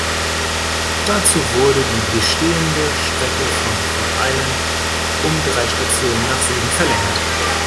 Dazu wurde die bestehende Strecke von Port Island um drei Stationen nach Süden verlängert.